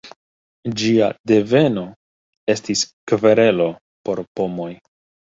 Ĝia deveno estis kverelo por pomoj.